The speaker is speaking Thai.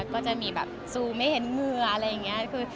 ก็จะมีแบบซูมให้เห็นมืออะไรอย่างนี้